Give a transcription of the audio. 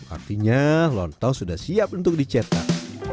artinya lontong sudah siap untuk dicetak